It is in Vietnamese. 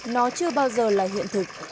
nó chưa bao giờ là hiện thực